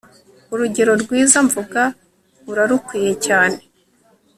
urugero rwiza mvuga urarukwiye cyane